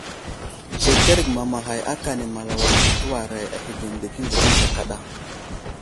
Zəkerge mamaghay akane Malawak ɗi tewaray ahəge nde tenzekənze kada.